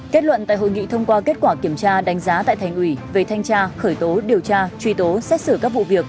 kết luận tại hội nghị thông qua kết quả kiểm tra đánh giá tại thành ủy về thanh tra khởi tố điều tra truy tố xét xử các vụ việc